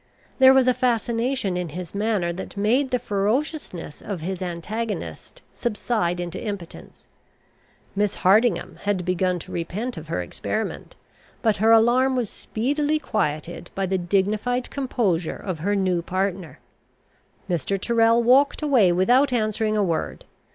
There was a fascination in his manner that made the ferociousness of his antagonist subside into impotence. Miss Hardingham had begun to repent of her experiment, but her alarm was speedily quieted by the dignified composure of her new partner. Mr. Tyrrel walked away without answering a word.